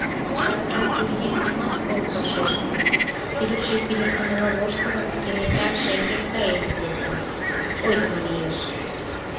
Шинчалыкан пӧръеҥ нимат ок вашеште, кӱдырчӧ кӱдыртымыла воштылын, кенета шеҥгек каен колта, койдымо лиеш.